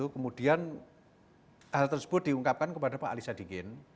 kemudian hal tersebut diungkapkan kepada pak ali sadikin